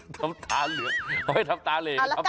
ทำตาเหลือทำตาเหล